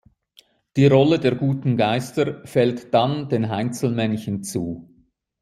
Die Rolle der guten Geister fällt dann den Heinzelmännchen zu.